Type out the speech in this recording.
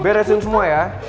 beresin semua ya